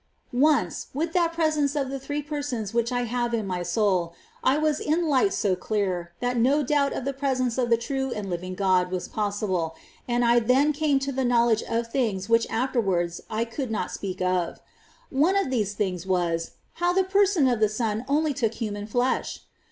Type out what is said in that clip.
19. Once, with that presence of the Three Persons which I have in my soul, I was in light so clear that no doubt of the presence of the true and living God was possible ; and I then came to the knowledge of things which afterwards I could not speak of. One of these things was, how the person of the Son only took human flesh.